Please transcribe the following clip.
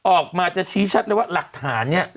ออกมาจะชี้ชัดเลยว่าหลักฐานเนี่ย